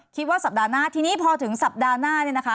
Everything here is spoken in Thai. คิดว่าสัปดาห์หน้าทีนี้พอถึงสัปดาห์หน้าเนี่ยนะคะ